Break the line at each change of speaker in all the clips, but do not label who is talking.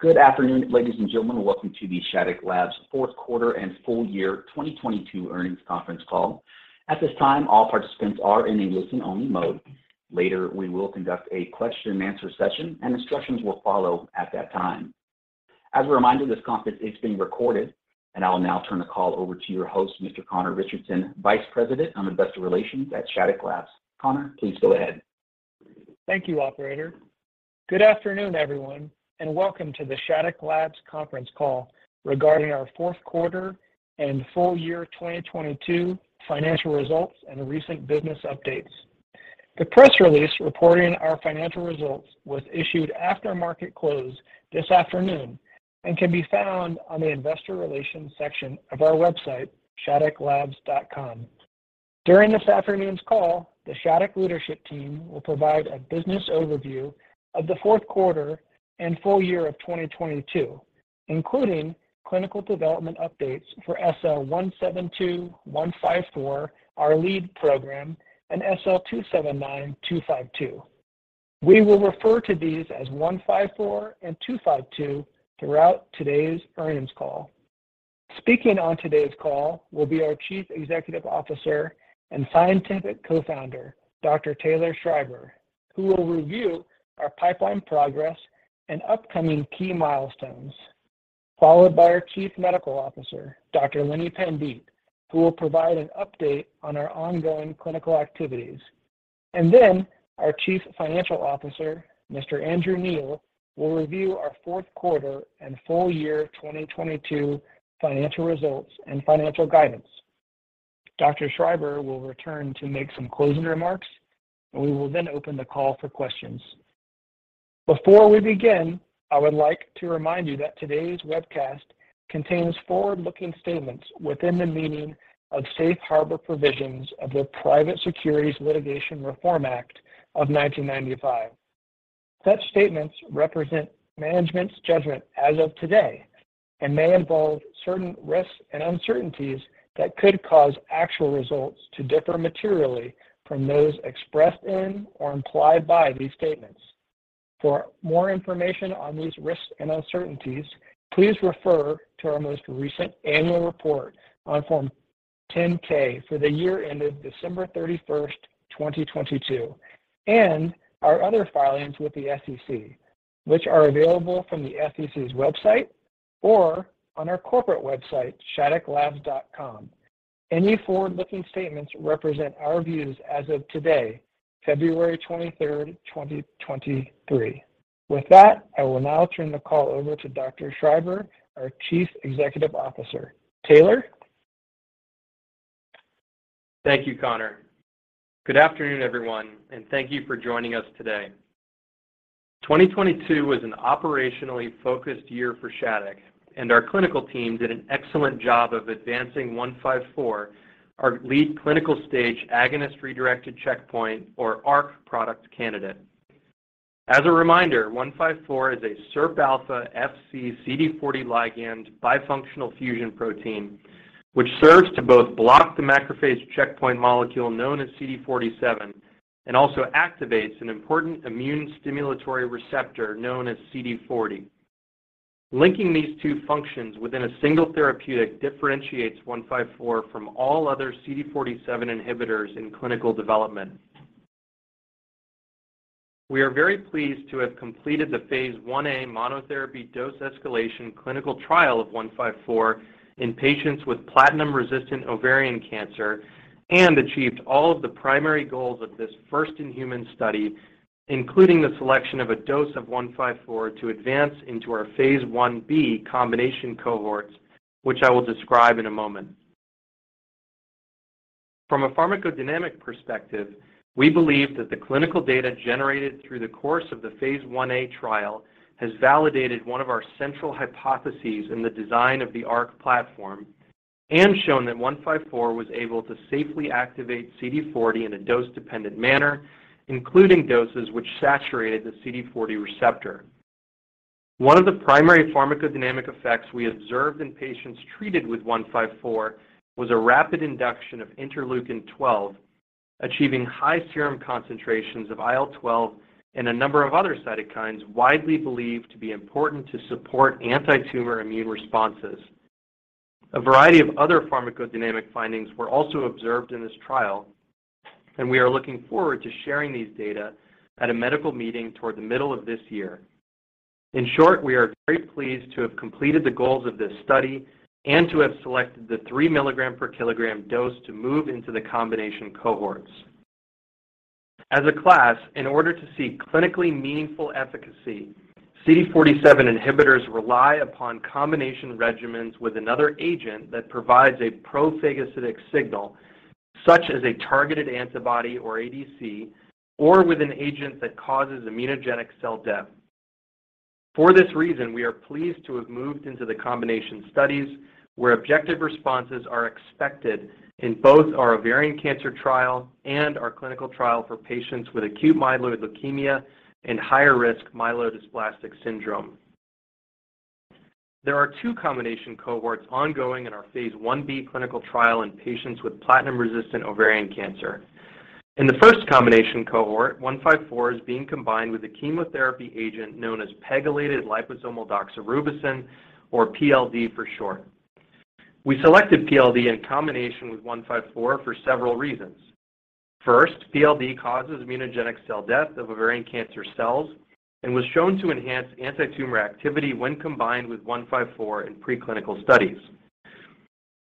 Good afternoon, ladies and gentlemen. Welcome to the Shattuck Labs Fourth Quarter and Full Year 2022 Earnings Conference Call. At this time all participants are in a listen-only mode. Later we will conduct a question and answer session. Instructions will follow at that time. As a reminder, this conference is being recorded. I will now turn the call over to your host, Mr. Conor Richardson, Vice President on Investor Relations at Shattuck Labs. Conor, please go ahead.
Thank you, operator. Good afternoon, everyone, and welcome to the Shattuck Labs Conference Call regarding our Fourth Quarter and Full Year 2022 Financial Results and recent Business Updates. The press release reporting our financial results was issued after market close this afternoon and can be found on the investor relations section of our website, shattucklabs.com. During this afternoon's call, the Shattuck leadership team will provide a business overview of the fourth quarter and full year of 2022, including clinical development updates for SL-172154, our lead program, and SL-279252. We will refer to these as 154 and 252 throughout today's earnings call. Speaking on today's call will be our Chief Executive Officer and Scientific Co-Founder, Dr. Taylor Schreiber, who will review our pipeline progress and upcoming key milestones, followed by our Chief Medical Officer, Dr. Lini Pandite, who will provide an update on our ongoing clinical activities. Our Chief Financial Officer, Mr. Andrew Neill, will review our fourth quarter and full year 2022 financial results and financial guidance. Dr. Schreiber will return to make some closing remarks, and we will then open the call for questions. Before we begin, I would like to remind you that today's webcast contains forward-looking statements within the meaning of safe harbor provisions of the Private Securities Litigation Reform Act of 1995. Such statements represent management's judgment as of today and may involve certain risks and uncertainties that could cause actual results to differ materially from those expressed in or implied by these statements. For more information on these risks and uncertainties, please refer to our most recent annual report on Form 10-K for the year ended December 31st, 2022, and our other filings with the SEC, which are available from the SEC's website or on our corporate website, shattucklabs.com. Any forward-looking statements represent our views as of today, February 23rd, 2023. I will now turn the call over to Dr. Schreiber, our Chief Executive Officer. Taylor?
Thank you, Conor. Good afternoon, everyone, and thank you for joining us today. 2022 was an operationally focused year for Shattuck, and our clinical team did an excellent job of advancing 154, our lead clinical stage agonist redirected checkpoint or ARC product candidate. As a reminder, 154 is a SIRPα-Fc-CD40L ligand bifunctional fusion protein, which serves to both block the macrophage checkpoint molecule known as CD47 and also activates an important immune stimulatory receptor known as CD40. Linking these two functions within a single therapeutic differentiates 154 from all other CD47 inhibitors in clinical development. We are very pleased to have completed the phase I-A monotherapy dose escalation clinical trial of SL-172154 in patients with platinum-resistant ovarian cancer and achieved all of the primary goals of this first in human study, including the selection of a dose of SL-172154 to advance into our phase I-B combination cohorts, which I will describe in a moment. From a pharmacodynamic perspective, we believe that the clinical data generated through the course of the phase I-A trial has validated one of our central hypotheses in the design of the ARC platform and shown that SL-172154 was able to safely activate CD40 in a dose-dependent manner, including doses which saturated the CD40 receptor. One of the primary pharmacodynamic effects we observed in patients treated with SL-172154 was a rapid induction of interleukin-12, achieving high serum concentrations of IL-12 and a number of other cytokines widely believed to be important to support antitumor immune responses. We are looking forward to sharing these data at a medical meeting toward the middle of this year. In short, we are very pleased to have completed the goals of this study and to have selected the 3 mg/kg dose to move into the combination cohorts. As a class, in order to seek clinically meaningful efficacy, CD47 inhibitors rely upon combination regimens with another agent that provides a pro-phagocytic signal, such as a targeted antibody or ADC, or with an agent that causes immunogenic cell death. For this reason, we are pleased to have moved into the combination studies where objective responses are expected in both our ovarian cancer trial and our clinical trial for patients with acute myeloid leukemia and higher risk myelodysplastic syndrome. There are two combination cohorts ongoing in our phase I-B clinical trial in patients with platinum-resistant ovarian cancer. In the first combination cohort, one five four is being combined with a chemotherapy agent known as pegylated liposomal doxorubicin, or PLD for short. We selected PLD in combination with one five four for several reasons. First, PLD causes immunogenic cell death of ovarian cancer cells and was shown to enhance antitumor activity when combined with one five four in preclinical studies.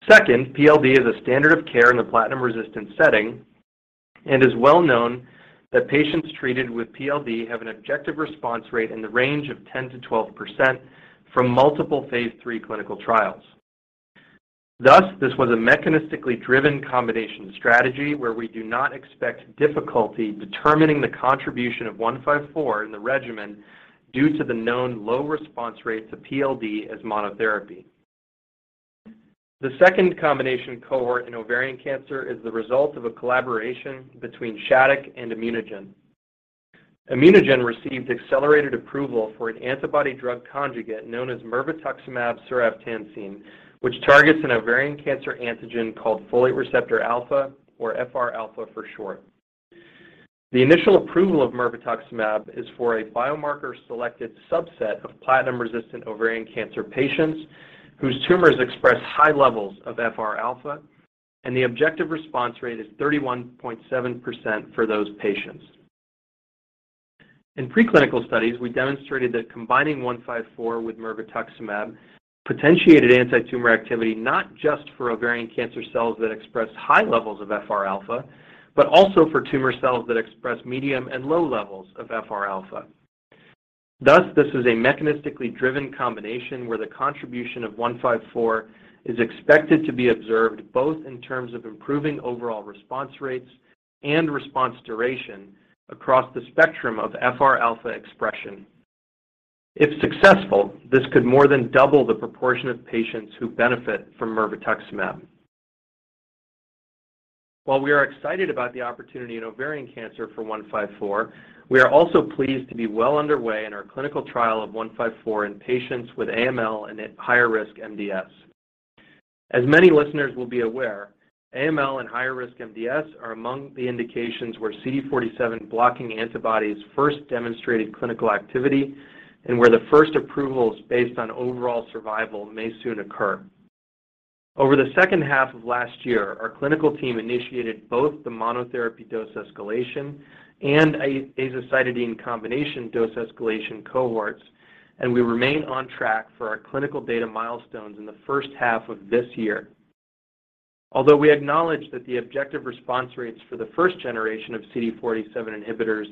Second, PLD is a standard of care in the platinum-resistant setting and is well known that patients treated with PLD have an objective response rate in the range of 10%-12% from multiple phase III clinical trials. Thus, this was a mechanistically driven combination strategy where we do not expect difficulty determining the contribution of 154 in the regimen due to the known low response rates of PLD as monotherapy. The second combination cohort in ovarian cancer is the result of a collaboration between Shattuck and ImmunoGen. ImmunoGen received accelerated approval for an antibody drug conjugate known as mirvetuximab soravtansine, which targets an ovarian cancer antigen called folate receptor alpha, or FRα for short. The initial approval of mirvetuximab is for a biomarker-selected subset of platinum-resistant ovarian cancer patients whose tumors express high levels of FRα. The objective response rate is 31.7% for those patients. In preclinical studies, we demonstrated that combining 154 with mirvetuximab potentiated antitumor activity not just for ovarian cancer cells that express high levels of FRα, but also for tumor cells that express medium and low levels of FRα. This is a mechanistically driven combination where the contribution of 154 is expected to be observed both in terms of improving overall response rates and response duration across the spectrum of FRα expression. If successful, this could more than double the proportion of patients who benefit from mirvetuximab. We are excited about the opportunity in ovarian cancer for 154, we are also pleased to be well underway in our clinical trial of 154 in patients with AML and higher risk MDS. Many listeners will be aware, AML and higher risk MDS are among the indications where CD47 blocking antibodies first demonstrated clinical activity and where the first approvals based on overall survival may soon occur. Over the second half of last year, our clinical team initiated both the monotherapy dose escalation and an azacitidine combination dose escalation cohorts, and we remain on track for our clinical data milestones in the first half of this year. Although we acknowledge that the objective response rates for the 1st generation of CD47 inhibitors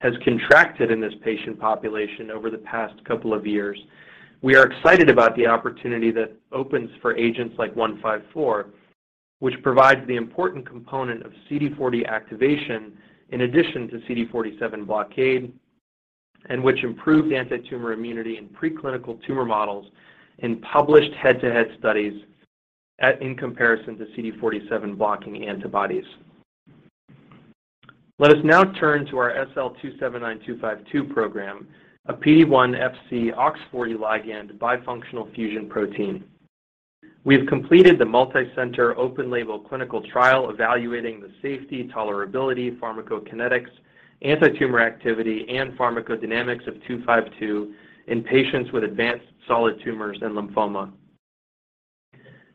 has contracted in this patient population over the past couple of years, we are excited about the opportunity that opens for agents like SL-172154, which provides the important component of CD40 activation in addition to CD47 blockade and which improved antitumor immunity in preclinical tumor models in published head-to-head studies at in comparison to CD47 blocking antibodies. Let us now turn to our SL-279252 program, a PD-1 Fc OX40L ligand bifunctional fusion protein. We have completed the multicenter open-label clinical trial evaluating the safety, tolerability, pharmacokinetics, antitumor activity, and pharmacodynamics of SL-279252 in patients with advanced solid tumors and lymphoma.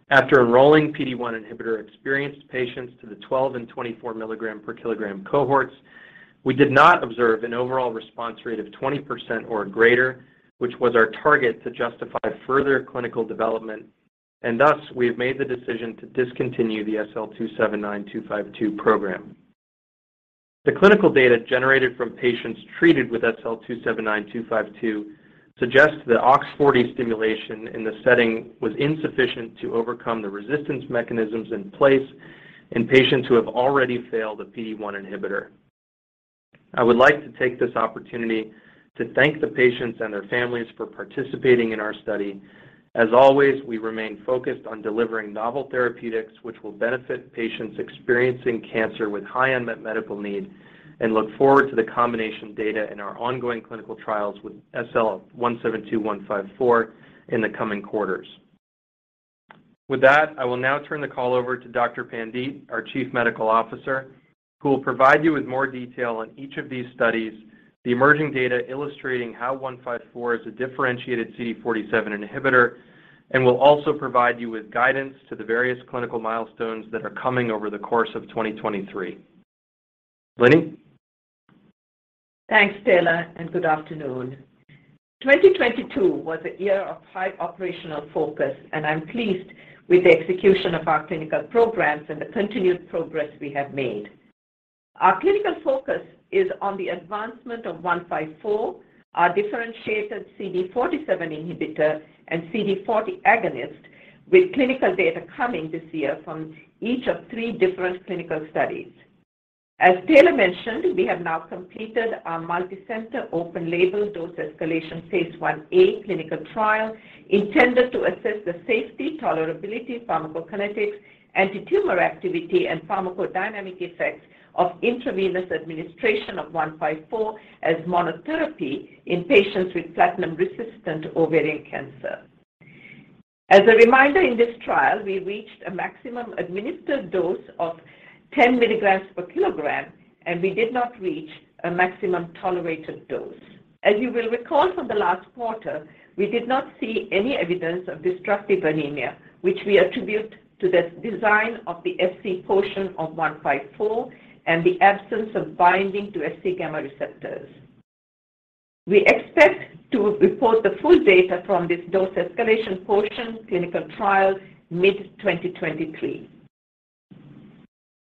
After enrolling PD-1 inhibitor-experienced patients to the 12 mg/kg and 24 mg/kg cohorts, we did not observe an overall response rate of 20% or greater, which was our target to justify further clinical development, and thus we have made the decision to discontinue the SL-279252 program. The clinical data generated from patients treated with SL-279252 suggests that OX-40 stimulation in this setting was insufficient to overcome the resistance mechanisms in place in patients who have already failed a PD-1 inhibitor. I would like to take this opportunity to thank the patients and their families for participating in our study. As always, we remain focused on delivering novel therapeutics which will benefit patients experiencing cancer with high unmet medical need and look forward to the combination data in our ongoing clinical trials with SL-172154 in the coming quarters. With that, I will now turn the call over to Dr. Pandite, our Chief Medical Officer, who will provide you with more detail on each of these studies, the emerging data illustrating how 154 is a differentiated CD47 inhibitor, and will also provide you with guidance to the various clinical milestones that are coming over the course of 2023. Lini?
Thanks, Taylor, and good afternoon. 2022 was a year of high operational focus, and I'm pleased with the execution of our clinical programs and the continued progress we have made. Our clinical focus is on the advancement of 154, our differentiated CD47 inhibitor and CD40 agonist with clinical data coming this year from each of 3 different clinical studies. As Taylor mentioned, we have now completed our multicenter open-label dose escalation phase I-A clinical trial intended to assess the safety, tolerability, pharmacokinetics, antitumor activity, and pharmacodynamic effects of intravenous administration of 154 as monotherapy in patients with platinum-resistant ovarian cancer. As a reminder, in this trial, we reached a maximum administered dose of 10 mg/kg, and we did not reach a maximum tolerated dose. As you will recall from the last quarter, we did not see any evidence of destructive anemia, which we attribute to the design of the Fc portion of 154 and the absence of binding to Fcγ receptors. We expect to report the full data from this dose escalation portion clinical trial mid-2023.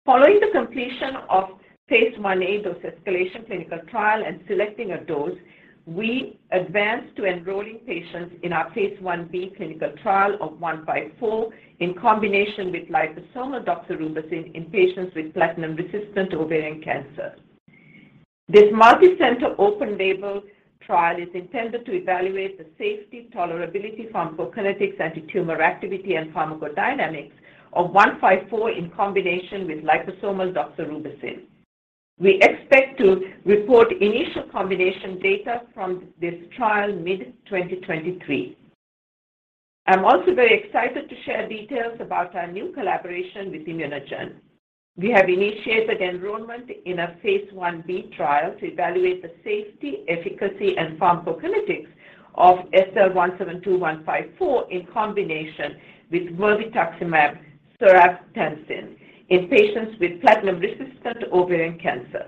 Following the completion of phase I-A dose escalation clinical trial and selecting a dose, we advanced to enrolling patients in our phase I-B clinical trial of 154 in combination with liposomal doxorubicin in patients with platinum-resistant ovarian cancer. This multicenter open-label trial is intended to evaluate the safety, tolerability, pharmacokinetics, antitumor activity, and pharmacodynamics of 154 in combination with liposomal doxorubicin. We expect to report initial combination data from this trial mid-2023. I'm also very excited to share details about our new collaboration with ImmunoGen. We have initiated enrollment in a phase I-B trial to evaluate the safety, efficacy, and pharmacokinetics of SL-172154 in combination with mirvetuximab soravtansine in patients with platinum-resistant ovarian cancer.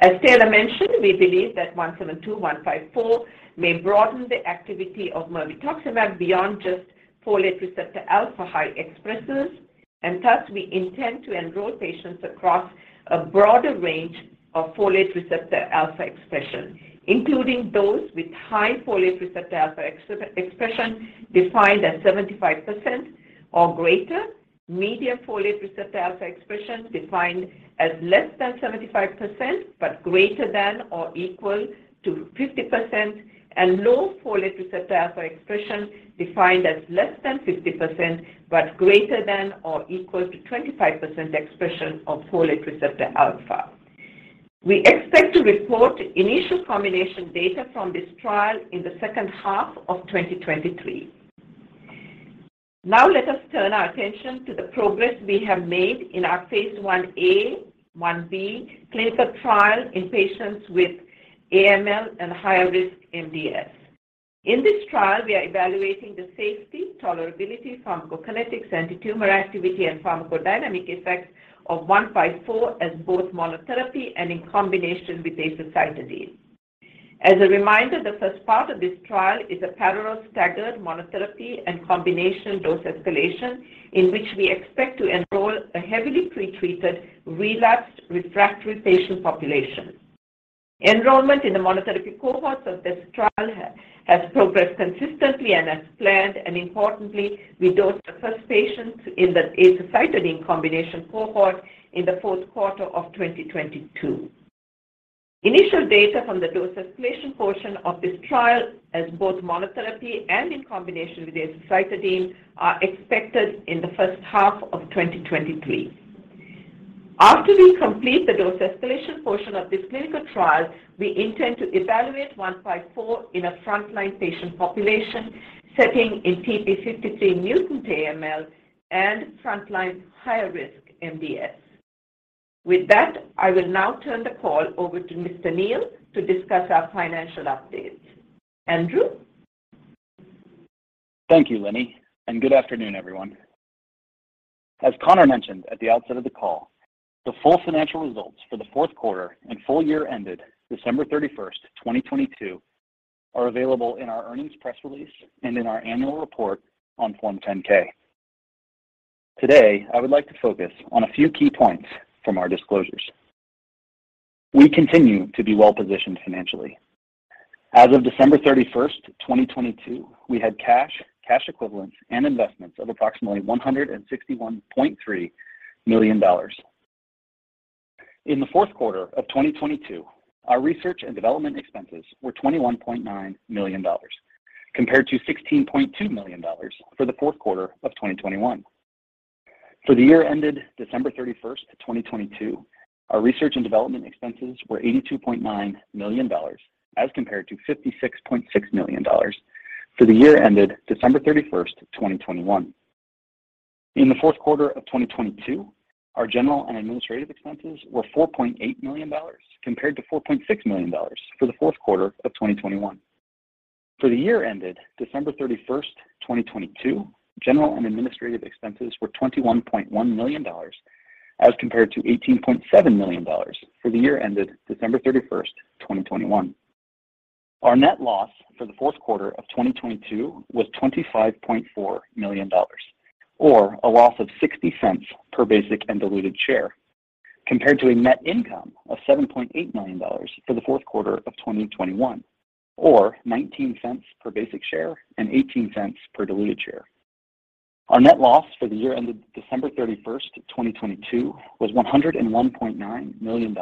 As Taylor mentioned, we believe that SL-172154 may broaden the activity of mirvetuximab beyond just folate receptor alpha high expressers, and thus we intend to enroll patients across a broader range of folate receptor alpha expression, including those with high folate receptor alpha expression defined as 75% or greater, medium folate receptor alpha expression defined as less than 75%, but greater than or equal to 50%, and low folate receptor alpha expression defined as less than 50% but greater than or equal to 25% expression of folate receptor alpha. We expect to report initial combination data from this trial in the second half of 2023. Let us turn our attention to the progress we have made in our phase I-A/1-B clinical trial in patients with AML and higher risk MDS. In this trial, we are evaluating the safety, tolerability, pharmacokinetics, antitumor activity, and pharmacodynamic effects of 154 as both monotherapy and in combination with azacitidine. As a reminder, the first part of this trial is a parallel staggered monotherapy and combination dose escalation in which we expect to enroll a heavily pretreated, relapsed, refractory patient population. Enrollment in the monotherapy cohorts of this trial has progressed consistently and as planned. Importantly, we dosed the first patients in the azacitidine combination cohort in the fourth quarter of 2022. Initial data from the dose escalation portion of this trial as both monotherapy and in combination with azacitidine are expected in the first half of 2023. After we complete the dose escalation portion of this clinical trial, we intend to evaluate 154 in a front-line patient population setting in TP53 mutant AML and front-line higher risk MDS. With that, I will now turn the call over to Mr. Neill to discuss our financial updates. Andrew?
Thank you, Lini. Good afternoon, everyone. As Conor Richardson mentioned at the outset of the call, the full financial results for the fourth quarter and full year ended December 31st, 2022 are available in our earnings press release and in our annual report on Form 10-K. Today, I would like to focus on a few key points from our disclosures. We continue to be well-positioned financially. As of December 31st, 2022, we had cash equivalents and investments of approximately $161.3 million. In the fourth quarter of 2022, our research and development expenses were $21.9 million compared to $16.2 million for the fourth quarter of 2021. For the year ended December 31, 2022, our research and development expenses were $82.9 million as compared to $56.6 million for the year ended December 31, 2021. In the fourth quarter of 2022, our general and administrative expenses were $4.8 million compared to $4.6 million for the fourth quarter of 2021. For the year ended December 31, 2022, general and administrative expenses were $21.1 million as compared to $18.7 million for the year ended December 31, 2021. Our net loss for the fourth quarter of 2022 was $25.4 million, or a loss of $0.60 per basic and diluted share, compared to a net income of $7.8 million for the fourth quarter of 2021, or $0.19 per basic share and $0.18 per diluted share. Our net loss for the year ended December 31, 2022 was $101.9 million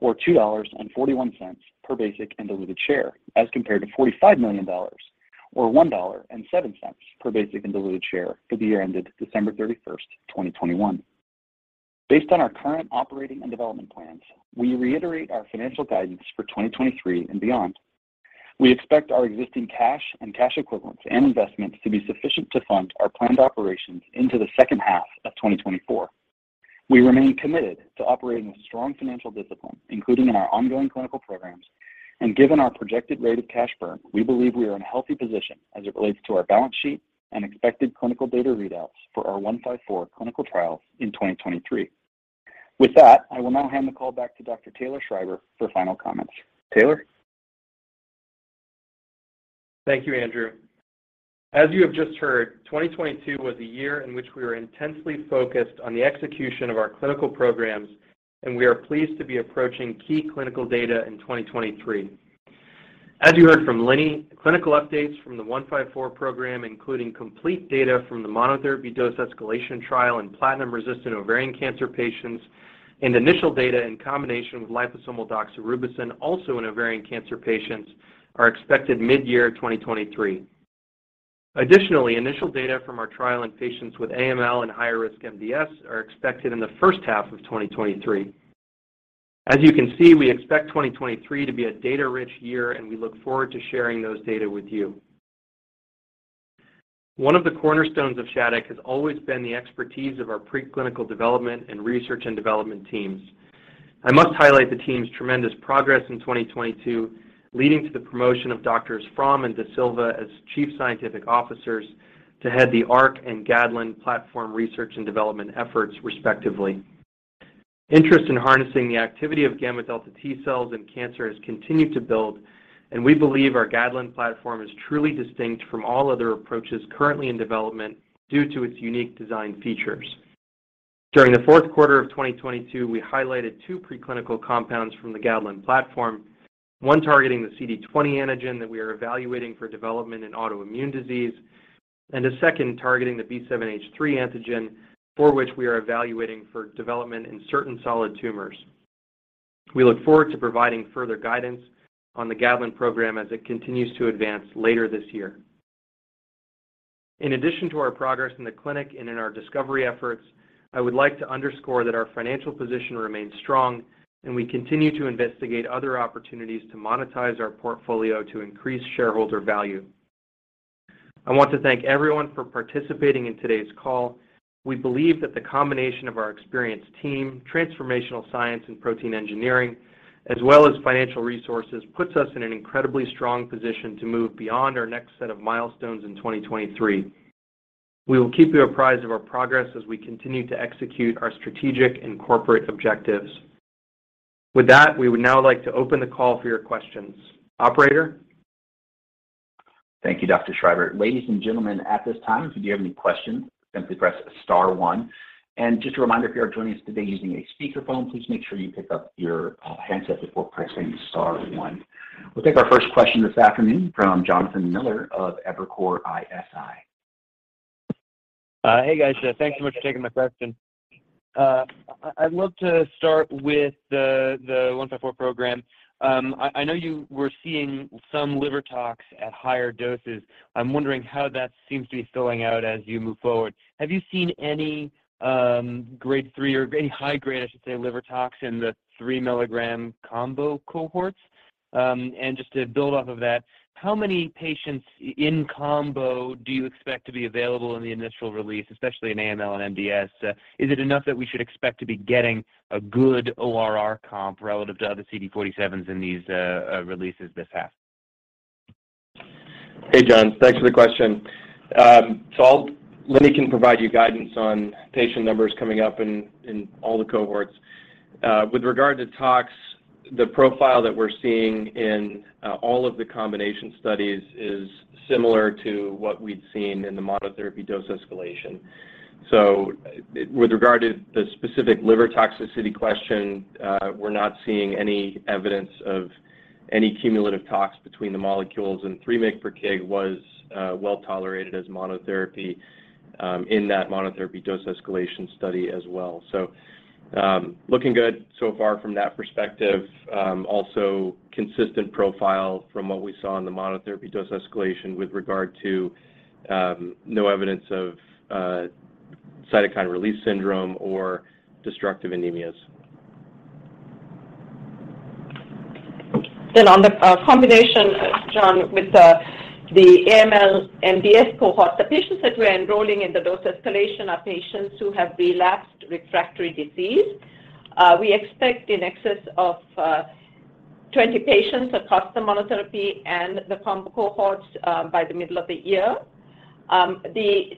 or $2.41 per basic and diluted share as compared to $45 million or $1.07 per basic and diluted share for the year ended December 31, 2021. Based on our current operating and development plans, we reiterate our financial guidance for 2023 and beyond. We expect our existing cash and cash equivalents and investments to be sufficient to fund our planned operations into the second half of 2024. We remain committed to operating with strong financial discipline, including in our ongoing clinical programs, and given our projected rate of cash burn, we believe we are in a healthy position as it relates to our balance sheet and expected clinical data readouts for our 154 clinical trial in 2023. With that, I will now hand the call back to Dr. Taylor Schreiber for final comments. Taylor?
Thank you, Andrew Neill. As you have just heard, 2022 was a year in which we were intensely focused on the execution of our clinical programs. We are pleased to be approaching key clinical data in 2023. As you heard from Lini Pandite, clinical updates from the 154 program, including complete data from the monotherapy dose escalation trial in platinum-resistant ovarian cancer patients and initial data in combination with liposomal doxorubicin also in ovarian cancer patients, are expected mid-year 2023. Additionally, initial data from our trial in patients with AML and higher risk MDS are expected in the first half of 2023. As you can see, we expect 2023 to be a data-rich year. We look forward to sharing those data with you. One of the cornerstones of Shattuck Labs has always been the expertise of our preclinical development and research and development teams. I must highlight the team's tremendous progress in 2022, leading to the promotion of Doctors Fromm and de Silva as chief scientific officers to head the ARC and GADLEN platform research and development efforts, respectively. Interest in harnessing the activity of gamma delta T cells in cancer has continued to build, and we believe our GADLEN platform is truly distinct from all other approaches currently in development due to its unique design features. During the fourth quarter of 2022, we highlighted two preclinical compounds from the GADLEN platform, one targeting the CD20 antigen that we are evaluating for development in autoimmune disease, and a second targeting the B7-H3 antigen for which we are evaluating for development in certain solid tumors. We look forward to providing further guidance on the GADLEN program as it continues to advance later this year. In addition to our progress in the clinic and in our discovery efforts, I would like to underscore that our financial position remains strong, and we continue to investigate other opportunities to monetize our portfolio to increase shareholder value. I want to thank everyone for participating in today's call. We believe that the combination of our experienced team, transformational science and protein engineering, as well as financial resources, puts us in an incredibly strong position to move beyond our next set of milestones in 2023. We will keep you apprised of our progress as we continue to execute our strategic and corporate objectives. With that, we would now like to open the call for your questions. Operator?
Thank you, Dr. Schreiber. Ladies and gentlemen, at this time, if you have any questions, simply press star one. Just a reminder, if you are joining us today using a speakerphone, please make sure you pick up your handset before pressing star one. We'll take our first question this afternoon from Jonathan Miller of Evercore ISI.
Hey, guys. Thanks so much for taking my question. I'd love to start with the 154 program. I know you were seeing some liver tox at higher doses. I'm wondering how that seems to be filling out as you move forward. Have you seen any grade three or any high-grade, I should say, liver tox in the 3 mg combo cohorts? Just to build off of that, how many patients in combo do you expect to be available in the initial release, especially in AML and MDS? Is it enough that we should expect to be getting a good ORR comp relative to other CD47s in these releases this half?
Hey, Jon. Thanks for the question. Lini can provide you guidance on patient numbers coming up in all the cohorts. With regard to tox, the profile that we're seeing in all of the combination studies is similar to what we'd seen in the monotherapy dose escalation. With regard to the specific liver toxicity question, we're not seeing any evidence of any cumulative tox between the molecules, and 3 mg per kg was well-tolerated as monotherapy in that monotherapy dose escalation study as well. Looking good so far from that perspective. Also consistent profile from what we saw in the monotherapy dose escalation with regard to no evidence of cytokine release syndrome or destructive anemias.
On the combination, Jon, with the AML MDS cohort, the patients that we're enrolling in the dose escalation are patients who have relapsed refractory disease. We expect in excess of 20 patients across the monotherapy and the combo cohorts by the middle of the year.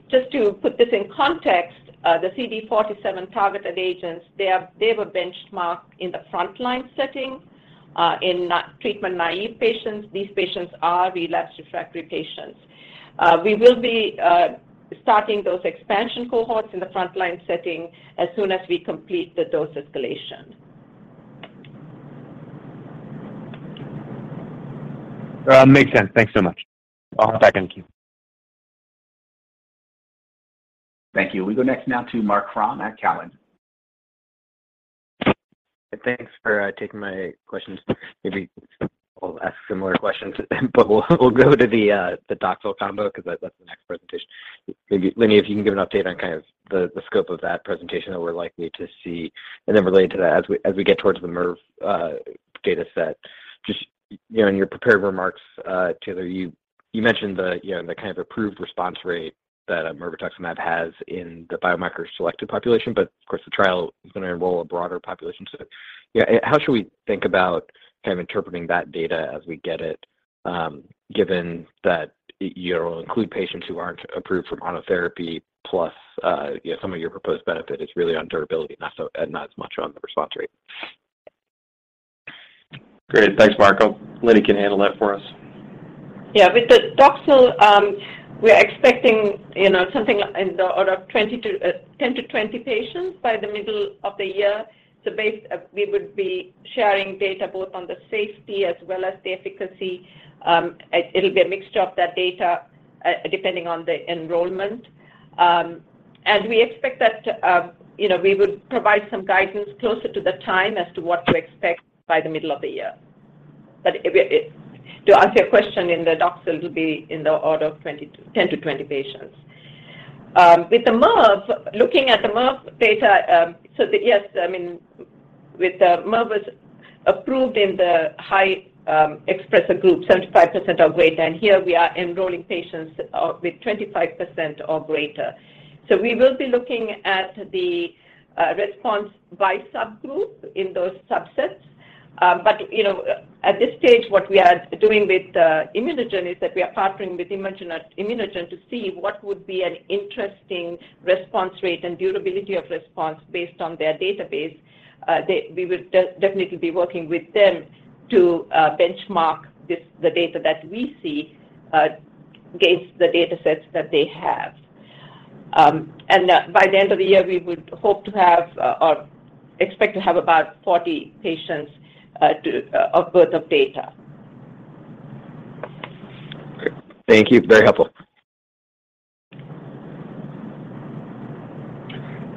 Just to put this in context, the CD47 targeted agents, they have a benchmark in the frontline setting, in not treatment naive patients. These patients are relapsed refractory patients. We will be starting those expansion cohorts in the frontline setting as soon as we complete the dose escalation.
Makes sense. Thanks so much. I'll have to circle back and queue.
Thank you. We go next now to Marc Frahm at Cowen.
Thanks for taking my questions. Maybe I'll ask similar questions, but we'll go to the Doxil combo 'cause that's the next presentation. Lini, if you can give an update on kind of the scope of that presentation that we're likely to see. Related to that, as we get towards the MIRV data set, just in your prepared remarks, Taylor, you mentioned the kind of approved response rate that a mirvetuximab has in the biomarker-selected population. Of course, the trial is gonna enroll a broader population. Yeah, how should we think about kind of interpreting that data as we get it, given that you know, it'll include patients who aren't approved for monotherapy plus, you know, some of your proposed benefit is really on durability, not as much on the response rate?
Great. Thanks, Marco. Lini can handle that for us.
With the Doxil, we are expecting, you know, something in the order of 10-20 patients by the middle of the year. We would be sharing data both on the safety as well as the efficacy. It'll be a mixture of that data, depending on the enrollment. And we expect that, you know, we would provide some guidance closer to the time as to what to expect by the middle of the year. To answer your question, the Doxil will be in the order of 10-20 patients. With the MIRV, looking at the MIRV data, Yes, I mean, with the MIRV is approved in the high expressor group, 75% or greater, and here we are enrolling patients with 25% or greater. We will be looking at the response by subgroup in those subsets. You know, at this stage, what we are doing with ImmunoGen is that we are partnering with ImmunoGen to see what would be an interesting response rate and durability of response based on their database. We will definitely be working with them to benchmark this, the data that we see, against the datasets that they have. By the end of the year, we would hope to have or expect to have about 40 patients to worth of data.
Great. Thank you. Very helpful.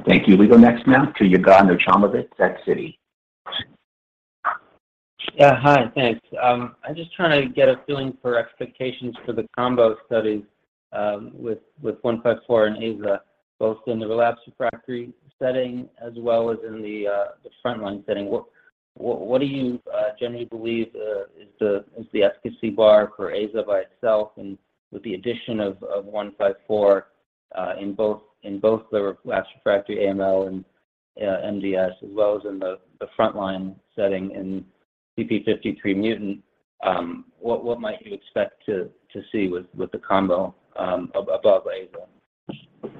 Thank you. We go next now to Yigal Nochomovitz of Citi.
Yeah. Hi. Thanks. I'm just trying to get a feeling for expectations for the combo studies with 154 and AZA both in the relapsed refractory setting as well as in the frontline setting. What do you generally believe is the efficacy bar for AZA by itself and with the addition of 154 in both the relapsed refractory AML and MDS as well as in the frontline setting in TP53 mutant, what might you expect to see with the combo above AZA?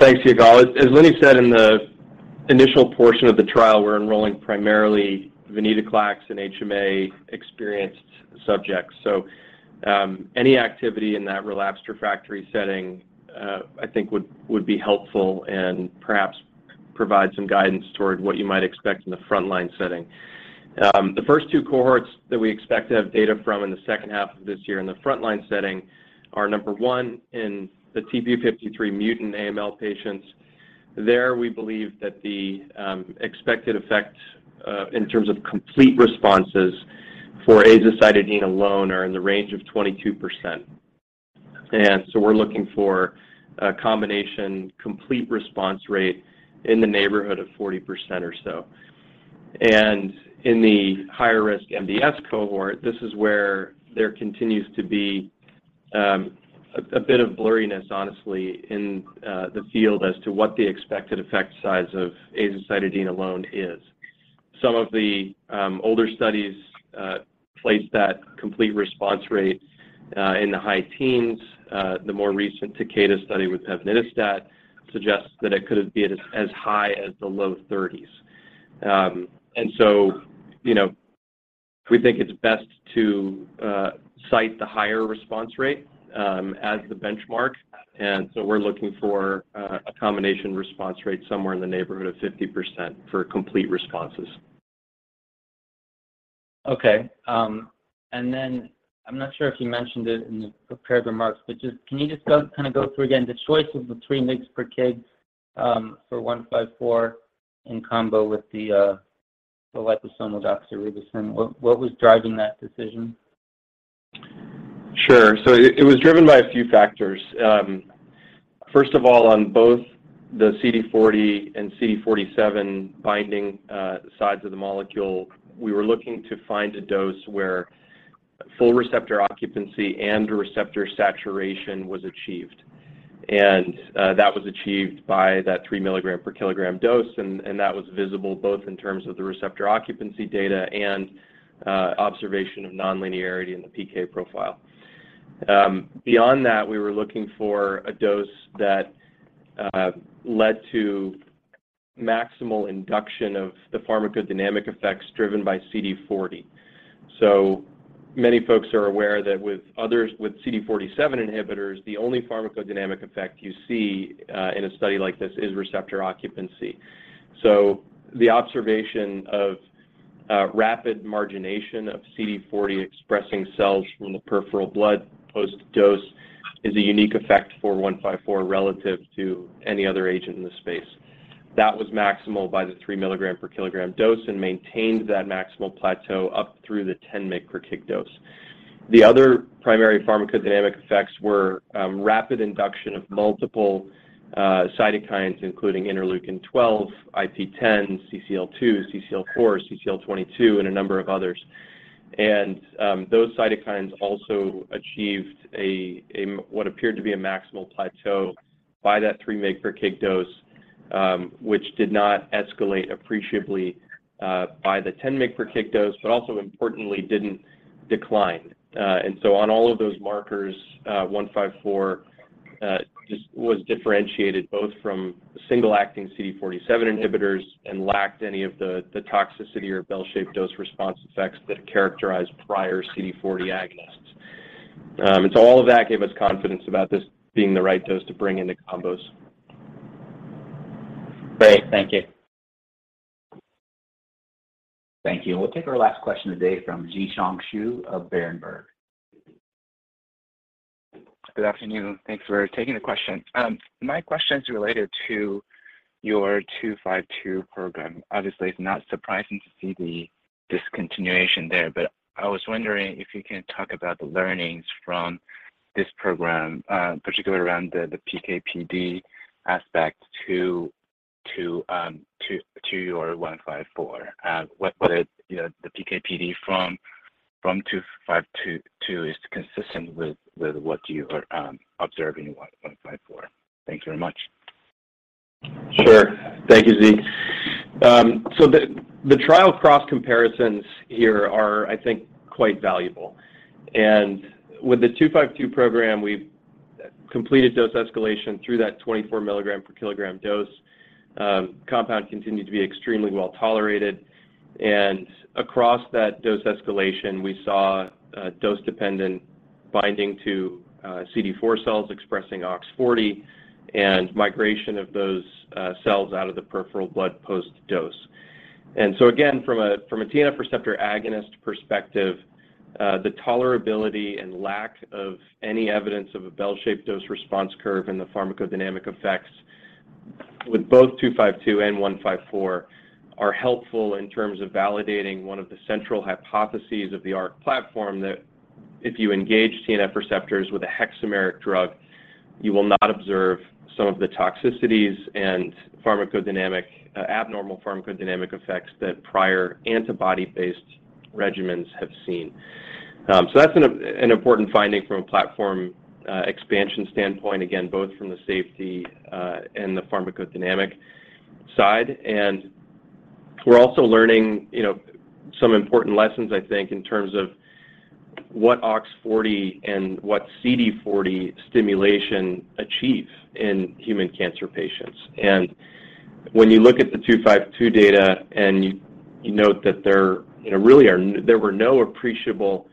Thanks, Yigal. As Lini said in the initial portion of the trial, we're enrolling primarily venetoclax and HMA experienced subjects. Any activity in that relapsed refractory setting, I think would be helpful and perhaps provide some guidance toward what you might expect in the frontline setting. The first two cohorts that we expect to have data from in the second half of this year in the frontline setting are number one in the TP53 mutant AML patients. There, we believe that the expected effect, in terms of complete responses for azacitidine alone are in the range of 22%. We're looking for a combination complete response rate in the neighborhood of 40% or so. In the higher risk MDS cohort, this is where there continues to be a bit of blurriness, honestly, in the field as to what the expected effect size of azacitidine alone is. Some of the older studies place that complete response rate in the high teens. The more recent Takeda study with pevonedistat suggests that it could be as high as the low thirties. You know, we think it's best to cite the higher response rate as the benchmark. We're looking for a combination response rate somewhere in the neighborhood of 50% for complete responses.
Okay. I'm not sure if you mentioned it in the prepared remarks, but just, can you just go through again the choice of the 3 mgs per kg for one five four in combo with the liposomal doxorubicin. What was driving that decision?
Sure. It, it was driven by a few factors. First of all, on both the CD40 and CD47 binding sides of the molecule, we were looking to find a dose where full receptor occupancy and receptor saturation was achieved. That was achieved by that 3 mg/kg dose and that was visible both in terms of the receptor occupancy data and observation of nonlinearity in the PK profile. Beyond that, we were looking for a dose that led to maximal induction of the pharmacodynamic effects driven by CD40. Many folks are aware that with CD47 inhibitors, the only pharmacodynamic effect you see in a study like this is receptor occupancy. The observation of rapid margination of CD40 expressing cells from the peripheral blood post dose is a unique effect for 154 relative to any other agent in the space. That was maximal by the 3 mg per kg dose and maintained that maximal plateau up through the 10 mg per kg dose. The other primary pharmacodynamic effects were rapid induction of multiple cytokines including interleukin-12, IP-10, CCL2, CCL4, CCL22, and a number of others. Those cytokines also achieved a what appeared to be a maximal plateau by that 3 mg per kg dose, which did not escalate appreciably by the 10 mg per kg dose, but also importantly didn't decline. On all of those markers, 154, just was differentiated both from single acting CD47 inhibitors and lacked any of the toxicity or bell-shaped dose response effects that characterized prior CD40 agonists. All of that gave us confidence about this being the right dose to bring into combos.
Great. Thank you.
Thank you. We'll take our last question today from Zhiqiang Shu of Berenberg.
Good afternoon. Thanks for taking the question. My question is related to your 252 program. Obviously, it's not surprising to see the discontinuation there, but I was wondering if you can talk about the learnings from this program, particularly around the PK/PD aspect to your 154. What, you know, the PK/PD from 252 is consistent with what you are observing in 154. Thank you very much.
Sure. Thank you, Zhi. The trial cross comparisons here are, I think, quite valuable. With the 252 program, we've completed dose escalation through that 24 mg/kg dose. Compound continued to be extremely well-tolerated. Across that dose escalation, we saw a dose-dependent binding to CD4 cells expressing OX-40 and migration of those cells out of the peripheral blood post-dose. Again, from a TNF receptor agonist perspective, the tolerability and lack of any evidence of a bell-shaped dose response curve and the pharmacodynamic effects with both 252 and 154 are helpful in terms of validating one of the central hypotheses of the ARC platform that if you engage TNF receptors with a hexameric drug, you will not observe some of the toxicities and abnormal pharmacodynamic effects that prior antibody-based regimens have seen. That's an important finding from a platform expansion standpoint, again, both from the safety and the pharmacodynamic side. We're also learning, you know, some important lessons, I think, in terms of what OX-40 and what CD40 stimulation achieve in human cancer patients. When you look at the 252 data and you note that there, you know, there were no appreciable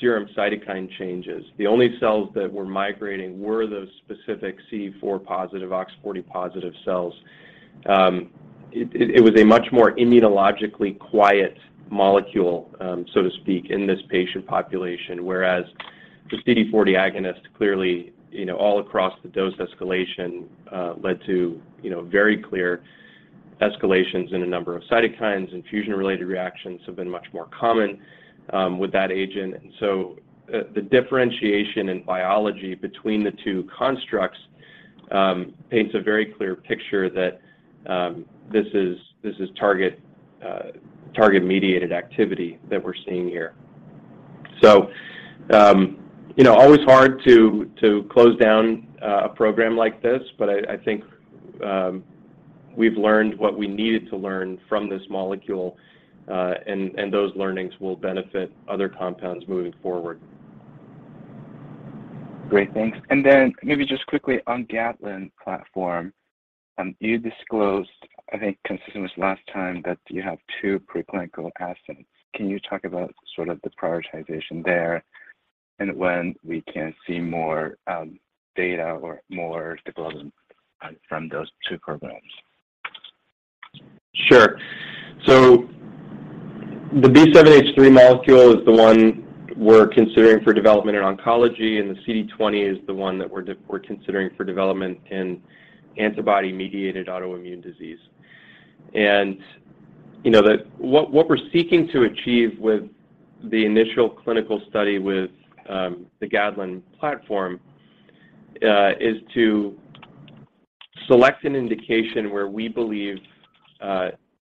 serum cytokine changes. The only cells that were migrating were those specific CD4 positive, OX40 positive cells. It was a much more immunologically quiet molecule, so to speak, in this patient population, whereas the CD40 agonist clearly, you know, all across the dose escalation led to, you know, very clear escalations in a number of cytokines. Infusion-related reactions have been much more common with that agent. The differentiation in biology between the two constructs paints a very clear picture that this is target-mediated activity that we're seeing here. You know, always hard to close down a program like this, but I think we've learned what we needed to learn from this molecule, and those learnings will benefit other compounds moving forward.
Great. Thanks. Then maybe just quickly on GADLEN platform, you disclosed, I think, consensus last time that you have two preclinical assets. Can you talk about sort of the prioritization there and when we can see more data or more development from those two programs?
Sure. The B7-H3 molecule is the one we're considering for development in oncology, and the CD20 is the one that we're considering for development in antibody-mediated autoimmune disease. You know, what we're seeking to achieve with the initial clinical study with the GADLEN platform is to select an indication where we believe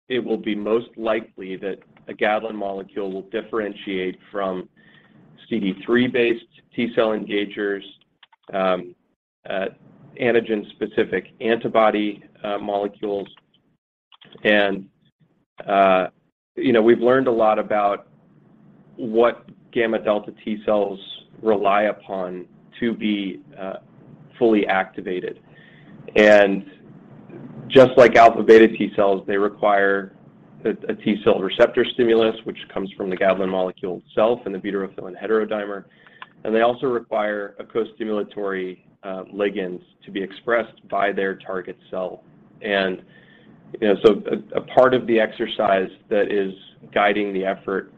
it will be most likely that a GADLEN molecule will differentiate from CD3-based T-cell engagers, antigen-specific antibody molecules. You know, we've learned a lot about what gamma delta T cells rely upon to be fully activated. Just like alpha beta T cells, they require a T-cell receptor stimulus, which comes from the GADLEN molecule itself and the butyrophilin heterodimer, and they also require a co-stimulatory ligands to be expressed by their target cell. You know, a part of the exercise that is guiding the effort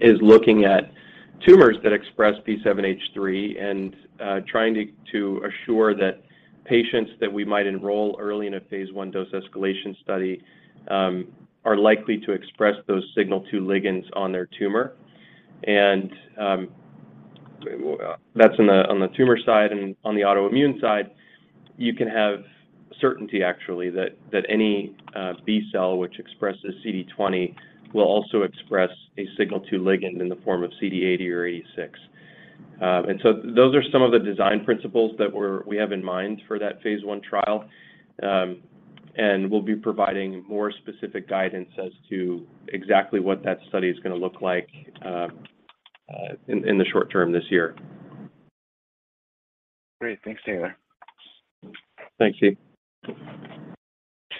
is looking at tumors that express B7H3 and trying to assure that patients that we might enroll early in a phase I dose escalation study are likely to express those signal 2 ligands on their tumor. That's on the tumor side and on the autoimmune side, you can have certainty actually that any B cell which expresses CD20 will also express a signal 2 ligand in the form of CD80 or 86. Those are some of the design principles that we have in mind for that phase I trial. We'll be providing more specific guidance as to exactly what that study is gonna look like in the short term this year.
Great. Thanks, Taylor.
Thanks, Zhi.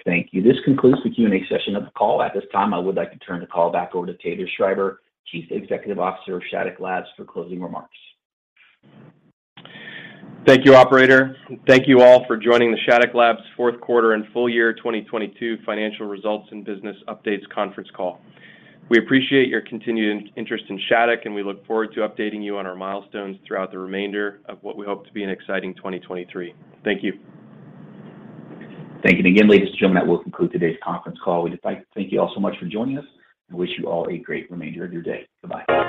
Thank you. This concludes the Q&A session of the call. At this time, I would like to turn the call back over to Taylor Schreiber, Chief Executive Officer of Shattuck Labs, for closing remarks.
Thank you, operator. Thank you all for joining the Shattuck Labs Fourth Quarter and Full Year 2022 Financial Results and Business Updates Conference Call. We appreciate your continued interest in Shattuck, and we look forward to updating you on our milestones throughout the remainder of what we hope to be an exciting 2023. Thank you.
Thank you again, ladies and gentlemen. That will conclude today's conference call. We just like to thank you all so much for joining us and wish you all a great remainder of your day. Goodbye